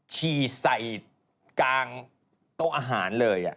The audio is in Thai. ชีใส่กลางโต๊ะอาหารเลยอ่ะ